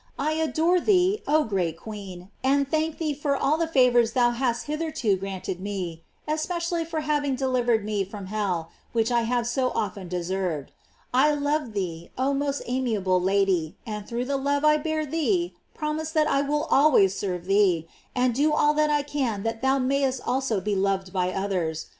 I adore thee, oh great queen, and thank thee for all the fa vors thou hast hitherto granted me, especially for having delivered me from hell, which I have so often deserved. I love thee, oh most amia ble Lady, and through the love I bear thee prom ise that I will always serve thee, and do all that I can that thou mayest also be loved by others.